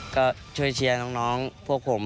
ก็ช่วยเชียร์น้องพวกผม